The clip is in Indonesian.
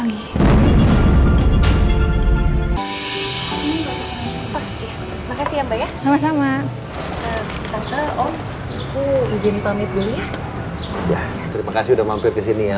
ya terima kasih udah mampir kesini ya